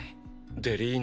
デリーナ